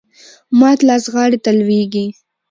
مات لاس غاړي ته لویږي .